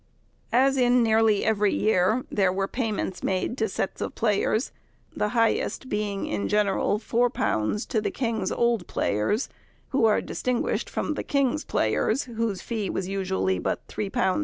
As, in nearly every year, there were payments made to sets of players, the highest being in general £4 to the king's old players, who are distinguished from the king's players, whose fee was usually but £3 6_s.